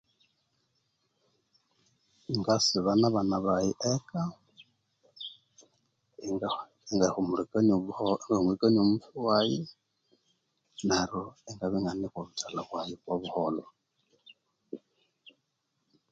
Ngasiba nabana baghe eka engahumulikania omutwe waghe neryo ingane okwabuthalha bwaghe kwabuholho